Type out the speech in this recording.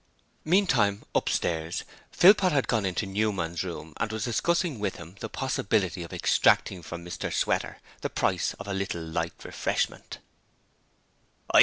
Meantime, upstairs, Philpot had gone into Newman's room and was discussing with him the possibility of extracting from Mr Sweater the price of a little light refreshment.